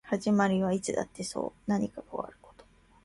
始まりはいつだってそう何かが終わること